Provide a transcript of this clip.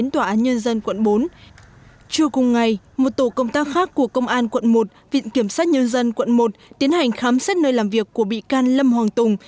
trưa cùng ngày một tổ công tác khác của công an quận một viện kiểm sát nhân dân quận một tiến hành khám xét nơi làm việc của bị can lâm hoàng tùng